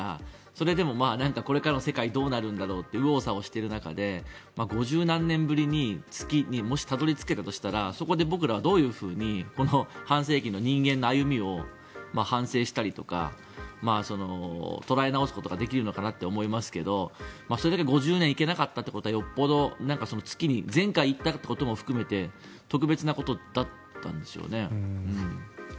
それでも、これからの世界どうなるんだろうって右往左往してる中で５０何年ぶりに月にたどり着けたとしたらそこで僕らはどういうふうにこの半世紀の人間の歩みを反省したりとか捉え直すことができるのかなと思いますがそれだけ５０年行けなかったってことは月に前回行ったってことも含めて特別なことだったんでしょうね。